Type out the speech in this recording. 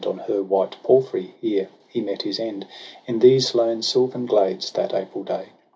On her white palfrey; here he met his end, In these lone sylvan glades, that April day.